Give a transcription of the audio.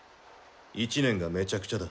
１年がめちゃくちゃだ。